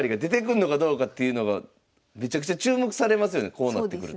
こうなってくると。